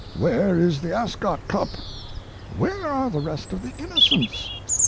"Where is the Ascot Cup?" "Where are the rest of the Innocents?"